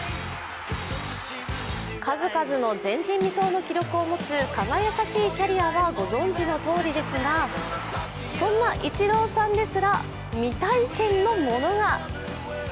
数々の前人未到の記録を持つ輝かしいキャリアはご存じのとおりですがそんなイチローさんですら未体験のものが。